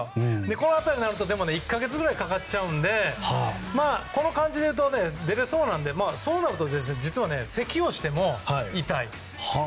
この辺りになると１か月ぐらいかかっちゃうのでこの感じでいうと出れそうなのでそうなると実はせきをしても痛いんです。